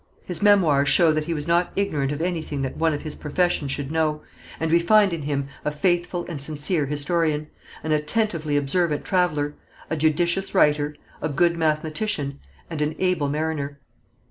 His memoirs show that he was not ignorant of anything that one of his profession should know, and we find in him a faithful and sincere historian, an attentively observant traveller, a judicious writer, a good mathematician and an able mariner.